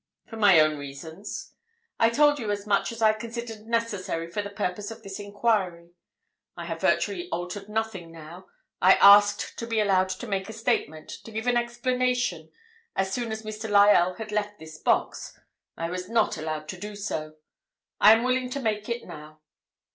"For my own reasons. I told you as much as I considered necessary for the purpose of this enquiry. I have virtually altered nothing now. I asked to be allowed to make a statement, to give an explanation, as soon as Mr. Lyell had left this box: I was not allowed to do so. I am willing to make it now."